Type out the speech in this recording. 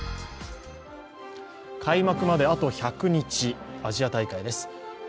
開幕まであと１００日、アジア大会です。